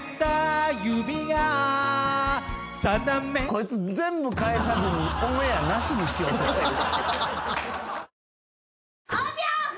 こいつ全部返さずにオンエアなしにしようとしてる。